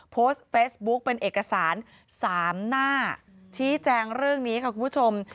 โพสต์เฟซบุ๊คเป็นเอกสาร๓หน้าชี้แจงเรื่องนี้ค่ะคุณผู้ชม